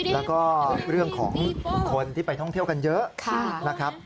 แล้วก็เรื่องของคนที่ไปท่องเที่ยวกันเยอะนะครับ